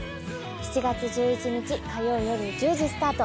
７月１１日火曜夜１０時スタート